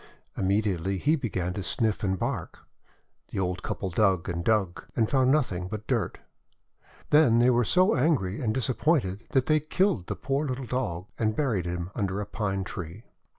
Immediately he began to sniff and bark. The old couple dug and dug, and found nothing but dirt. Then they were so angry and disappointed that they killed the poor little Dog, and buried him under a Pine Tree.